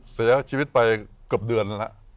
เสียชีวิตไปเกือบเดือนแล้ว